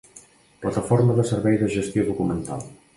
Plataforma de servei de gestió documental.